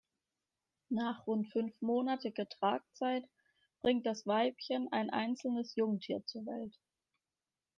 Nach rund fünfmonatiger Tragzeit bringt das Weibchen ein einzelnes Jungtier zur Welt.